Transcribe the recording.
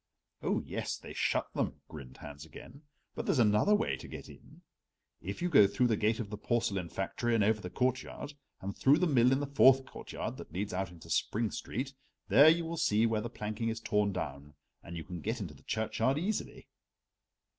"Oh, yes, they shut them," grinned Hans again. "But there's another way to get in. If you go through the gate of the porcelain factory and over the courtyard, and through the mill in the fourth courtyard that leads out into Spring Street, there you will see where the planking is torn down, and you can get into the churchyard easily."